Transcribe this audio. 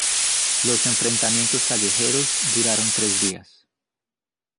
Los enfrentamientos callejeros duraron tres días.